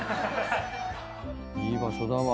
いい場所だわ。